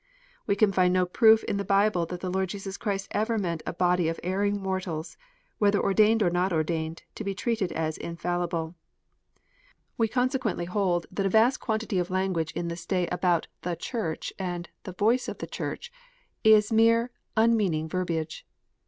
We can find no proof in the Bible that the Lord Jesus Christ ever meant a body of erring mortals, whether ordained or not ordained, to be treated as infallible. We con sequently hold that a vast quantity of language in this day EVANGELICAL HELIGION. 11 about " the Church " and the " voice of the Church " is mere unmeaning verbiage.